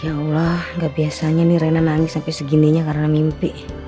ya allah gak biasanya nih rena nangis sampai segininya karena mimpi